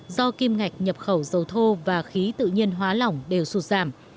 do kim ngạch nhập khẩu dầu thô và khí tự nhiên hóa lỏng đều sụt giảm